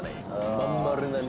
真ん丸な湖。